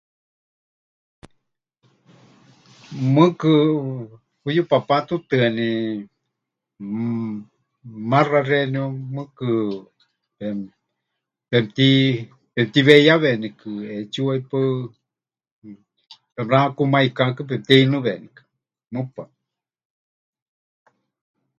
Mɨɨkɨ puyupápatutɨani, mmm, maxa xeeníu mɨɨkɨ pemɨti... pemɨtiweiyawenikɨ ʼeetsiwa ʼipaɨ, pemɨrakumaikákɨ, pemɨtiheinɨwenikɨ, mɨpaɨ.